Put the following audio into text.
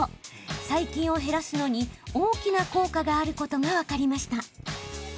細菌を減らすのに、大きな効果があることが分かりました。